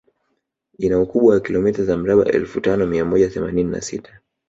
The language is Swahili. Ina ukubwa wa kilomita za mraba elfu tano mia moja themanini na sita